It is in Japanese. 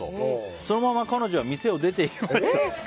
そのまま彼女は店を出て行きました。